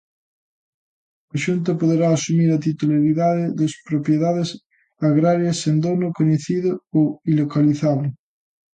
A Xunta poderá asumir a titularidade das propiedades agrarias sen dono coñecido ou ilocalizable.